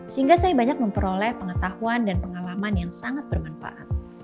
sehingga saya banyak memperoleh pengetahuan dan pengalaman yang sangat bermanfaat